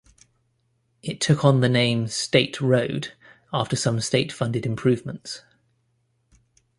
It took on the name State Road after some state-funded improvements.